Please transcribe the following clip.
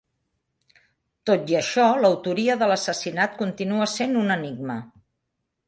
Tot i això, l'autoria de l'assassinat continua sent un enigma.